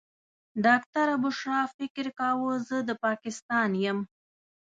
ډاکټره بشرا فکر کاوه زه د پاکستان یم.